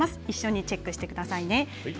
一緒にチェックしてくださいね。